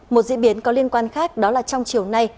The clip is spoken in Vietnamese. một diễn biến có liên quan khác đó là trong chiều nay